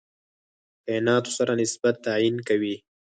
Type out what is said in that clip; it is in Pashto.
کایناتو سره نسبت تعیین کوي.